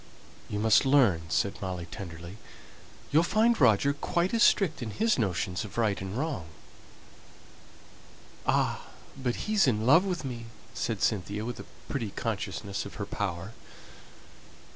"You must learn," said Molly tenderly. "You'll find Roger quite as strict in his notions of right and wrong." "Ah, but he's in love with me!" said Cynthia, with a pretty consciousness of her power.